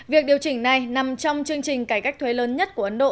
việc điều chỉnh này nằm trong chương trình cải cách thuế lớn nhất của ấn độ